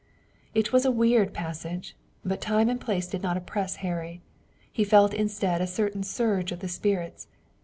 It was a weird passage, but time and place did not oppress Harry. He felt instead a certain surge of the spirits.